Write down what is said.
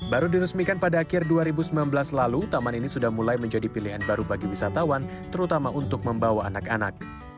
baru diresmikan pada akhir dua ribu sembilan belas lalu taman ini sudah mulai menjadi pilihan baru bagi wisatawan terutama untuk membawa anak anak